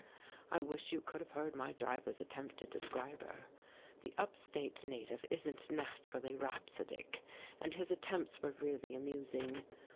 I wish you could have heard my driver's attempt to de scribe her. The up state native isn't naturally rhapsodic, and his attempts were really amusing.